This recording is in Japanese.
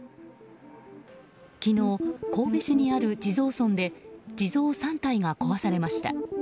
昨日、神戸市にある地蔵尊で地蔵３体が壊されました。